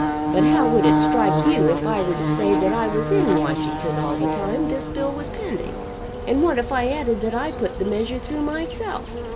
But how would it strike you if I were to say that I was in Washington all the time this bill was pending? and what if I added that I put the measure through myself?